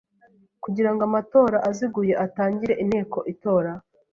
Kugira ngo amatora aziguye atangire inteko itora